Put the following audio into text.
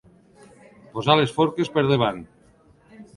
Posar les forques per davant.